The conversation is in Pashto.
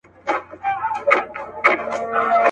چي فکرونه د نفاق پالي په سر کي.